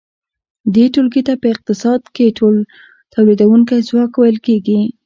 دې ټولګې ته په اقتصاد کې تولیدونکی ځواک ویل کیږي.